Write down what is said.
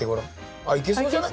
あっいけそうじゃない？